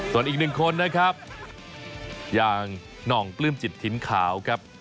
ส่วนอีกหนึ่งคนนะครับอย่างหน่องปลื้มจิตถิ่นขาวครับ